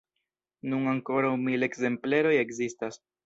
Nun ankoraŭ mil ekzempleroj ekzistas.